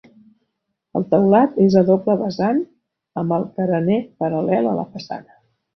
El teulat és a doble vessant amb el carener paral·lel a la façana.